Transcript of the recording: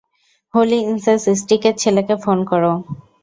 Holi incense স্টিকের ছেলেকে phone কর।